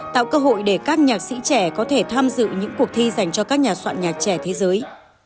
tạo cơ hội để các nhạc sĩ trẻ có thể tham dự những cuộc thi dành cho các nhà soạn nhạc trẻ thế giới